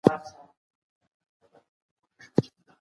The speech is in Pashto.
جزيه يو مالي ملاتړ دی.